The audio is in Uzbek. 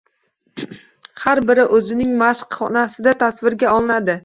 Har biri o‘zining mashq xonasida tasvirga olinadi.